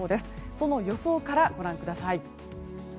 その予想から、ご覧ください。